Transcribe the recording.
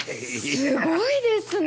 すごいですね。